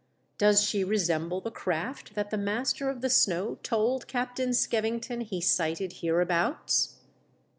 " Does she resemble the craft that the master of the snow told Captain Skevington he sighted hereabouts